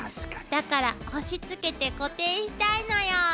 だから押しつけて固定したいのよ。